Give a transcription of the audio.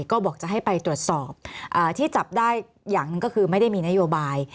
ก็บอกจะให้ไปตรวจสอบที่จับได้อย่างหนึ่งก็คือไม่ได้มีนโยบาย